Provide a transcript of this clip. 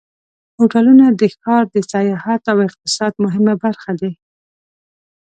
هوټلونه د ښار د سیاحت او اقتصاد مهمه برخه دي.